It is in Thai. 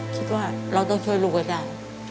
คิดว่าเราต้องช่วยลูกให้ได้